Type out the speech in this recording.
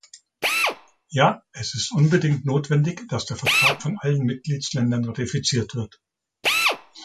Ja, es ist unbedingt notwendig, dass der Vertrag von allen Mitgliedsländern ratifiziert wird.